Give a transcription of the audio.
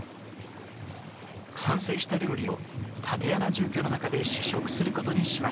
完成した料理を竪穴住居の中で試食することにしました。